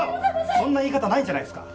そんな言い方ないんじゃないですか？